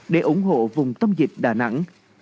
để ủng hộ vùng tâm dịch đà nẵng